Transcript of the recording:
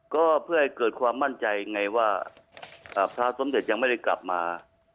ก็เพื่อให้เกิดความมั่นใจไงว่าพระสมเด็จยังไม่ได้กลับมา